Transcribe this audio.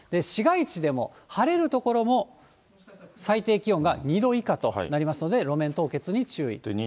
市街地でも、晴れる所も最低気温が２度以下となりますので、路面凍結に注意と。